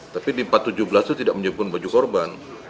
tapi di empat ratus tujuh belas itu tidak menyebut baju korban